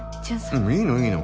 あっいいのいいの。